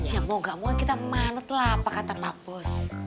ya mau gak mau kita malet lah apa kata pak bos